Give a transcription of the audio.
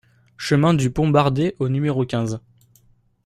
Chemin du Pont Bardé au numéro quinze